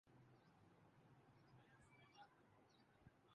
بنگلہ دیش کے دینی اداروں اور نصاب پر اتھارٹی تھے۔